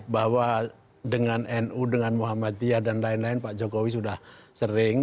bahwa dengan nu dengan muhammadiyah dan lain lain pak jokowi sudah sering